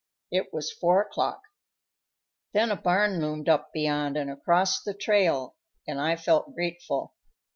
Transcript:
It was four o'clock. Then a barn loomed up beyond and across the trail, and I felt grateful.